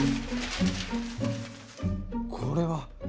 これは。